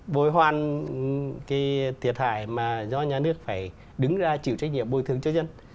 bồi hoàn cái thiệt hại mà do nhà nước phải đứng ra chịu trách nhiệm bồi thường cho dân